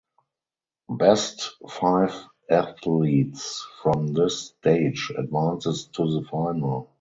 Best five athletes from this stage advances to the final.